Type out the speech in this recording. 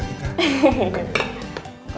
nasi ini enak gak